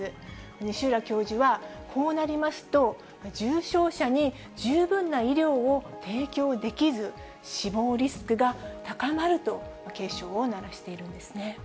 西浦教授は、こうなりますと、重症者に十分な医療を提供できず、死亡リスクが高まると警鐘を鳴らしているんですね。